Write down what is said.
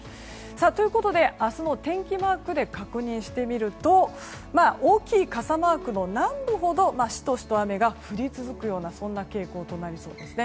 ということで明日の天気マークで確認してみると大きい傘マークの南部ほどシトシトと雨が降り続くようなそんな傾向となりそうです。